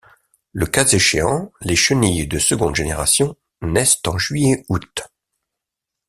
Le cas échéant, les chenilles de seconde génération naissent en juillet-août.